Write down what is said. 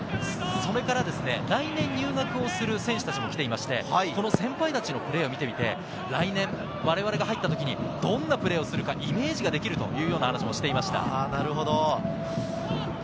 来年入学する選手達も来ていて、先輩達のプレーを見て、来年我々が入った時にどんなプレーをするかイメージができるというような話をしていました。